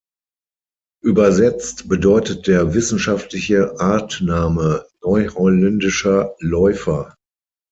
Übersetzt bedeutet der wissenschaftliche Artname „"Neu-Holländischer Läufer"“.